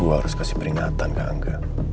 harus kasih peringatan ke angga